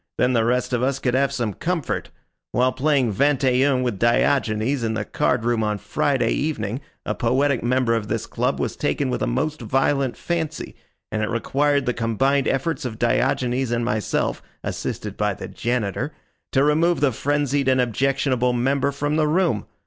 Then the rest of us could have some comfort. While playing vingt et un with Diogenes in the card room on Friday evening a poetic member of this club was taken with a most violent fancy, and it required the combined efforts of Diogenes and myself, assisted by the janitor, to remove the frenzied and objectionable member from the room.